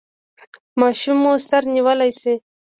ماشوم مو سر نیولی شي؟